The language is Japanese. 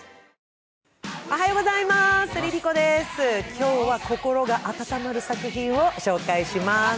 今日は心が温まる作品を紹介します。